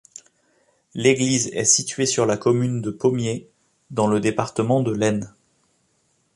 L'église est située sur la commune de Pommiers, dans le département de l'Aisne.